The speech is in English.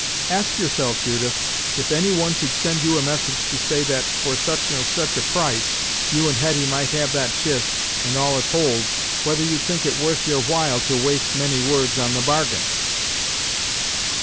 Ask yourself, Judith, if any one should send you a message to say that, for such or such a price, you and Hetty might have that chist and all it holds, whether you'd think it worth your while to waste many words on the bargain?"